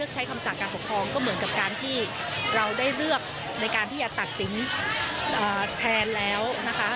ใช้คำสั่งการปกครองก็เหมือนกับการที่เราได้เลือกในการที่จะตัดสินแทนแล้วนะคะ